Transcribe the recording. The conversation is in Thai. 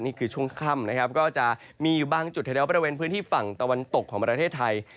นี่คือช่วงค่ำนะครับก็จะมีอยู่บางจุดแถวบริเวณพื้นที่ฝั่งตะวันตกของประเทศไทย